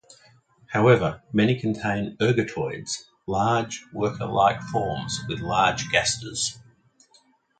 However, many contain ergatoids, large, worker-like forms with large gasters.